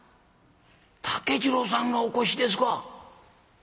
竹次郎さんがお越しですが」。